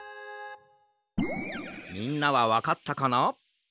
みんなはわかったかな？